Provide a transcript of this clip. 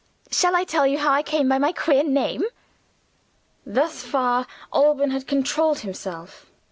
Shall I tell you how I came by my queer name?" Thus far, Alban had controlled himself.